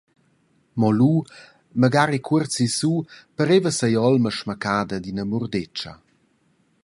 Mo lu, magari cuort sissu, pareva si’olma smaccada dad ina murdetscha.